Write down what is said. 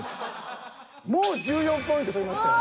もう１４ポイント取りましたよ。